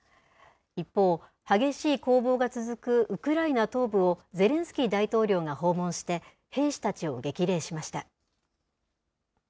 一方、激しい攻防が続くウクライナ東部をゼレンスキー大統領が訪問して、兵士たちを激励しました。